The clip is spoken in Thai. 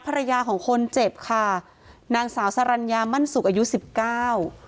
ภรรยาของคนเจ็บค่ะนางสาวสรรญามั่นสุขอายุสิบเก้า